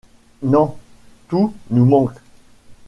Non! tout nous manque !